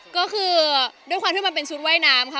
ก็คือด้วยความที่มันเป็นชุดว่ายน้ำค่ะ